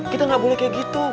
kita nggak boleh kayak gitu